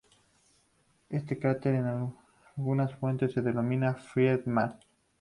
Este cráter en algunas fuentes se denomina "Friedmann".